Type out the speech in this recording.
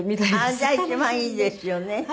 じゃあ一番いいですよね。